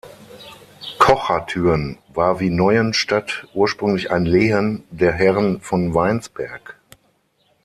Kochertürn war wie Neuenstadt ursprünglich ein Lehen der Herren von Weinsberg.